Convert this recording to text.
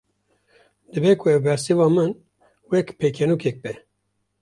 Dibe ku ev bersiva min, wek pêkenokekê be